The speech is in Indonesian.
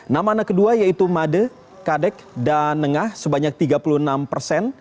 nama anak kedua yaitu made kadek dan nengah sebanyak tiga puluh enam persen